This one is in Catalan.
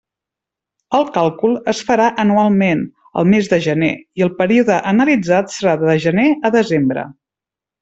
El càlcul es farà anualment, el mes de gener, i el període analitzat serà de gener a desembre.